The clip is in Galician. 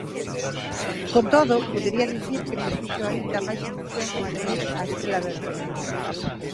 Con todo, podería dicir que me fixo aínda máis ilusión conseguir a Estrela Verde.